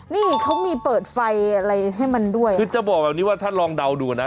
นี่เขามีเปิดไฟอะไรให้มันด้วยคือจะบอกแบบนี้ว่าถ้าลองเดาดูนะ